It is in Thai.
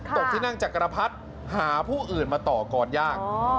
ตกที่นั่งจักรพรรดิหาผู้อื่นมาต่อกรยาก